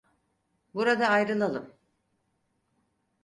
Burada ayrılalım.